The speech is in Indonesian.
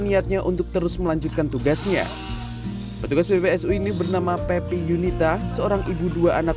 niatnya untuk terus melanjutkan tugasnya petugas ppsu ini bernama pepi yunita seorang ibu dua anak